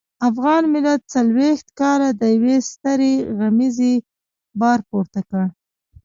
افغان ملت څلويښت کاله د يوې سترې غمیزې بار پورته کړ.